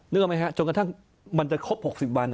ไหมฮะจนกระทั่งมันจะครบ๖๐วัน